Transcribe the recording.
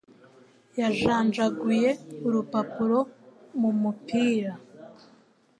Yajanjaguye urupapuro mu mupira.